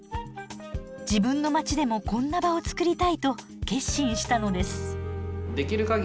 自分の街でもこんな場を作りたいと決心したのです。